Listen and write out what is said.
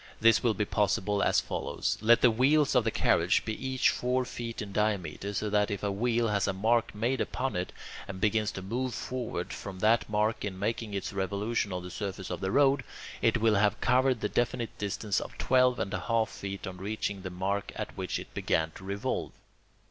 This will be possible as follows. Let the wheels of the carriage be each four feet in diameter, so that if a wheel has a mark made upon it, and begins to move forward from that mark in making its revolution on the surface of the road, it will have covered the definite distance of twelve and a half feet on reaching that mark at which it began to revolve.